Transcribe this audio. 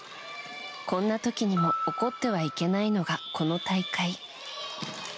こんな時にも怒ってはいけないのがこの大会。